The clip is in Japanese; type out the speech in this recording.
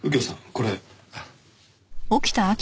これ。